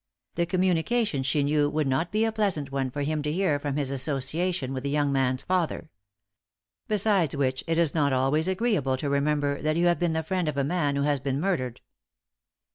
The communication, she knew, would not be a pleasant one for him to hear from his association with the young man's father. Besides which, it is not always agreeable to remember that you have been the friend of a man who has been murdered.